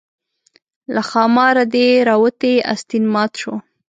له ښاماره دې راوتى استين مات شو